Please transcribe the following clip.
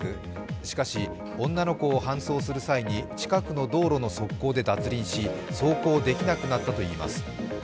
しかし、女の子を搬送する際に近くの道路の側溝で脱輪し走行できなくなったといいます。